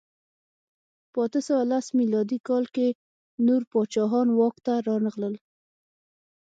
په اته سوه لس میلادي کال کې نور پاچاهان واک ته رانغلل.